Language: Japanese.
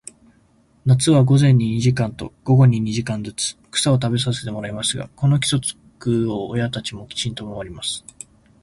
夏は午前に二時間と、午後に二時間ずつ、草を食べさせてもらいますが、この規則を親たちもきちんと守ります。